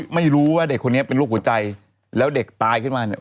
ไม่รู้ว่าเด็กคนนี้เป็นโรคหัวใจแล้วเด็กตายขึ้นมาเนี่ย